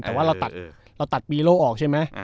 แต่ว่าเราตัดปีโลกออกใช่ไหม